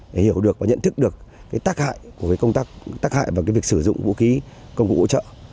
để hiểu được và nhận thức được tác hại và việc sử dụng vũ khí công cụ hỗ trợ